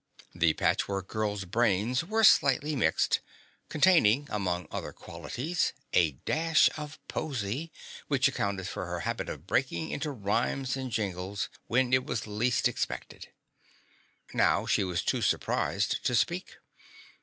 The Patchwork Girl's brains were slightly mixed, containing among other qualities a dash of poesy, which accounted for her habit of breaking into rhymes and jingles when it was least expected. Now she was too surprised to speak.